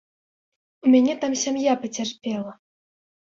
У мяне там сям'я пацярпела.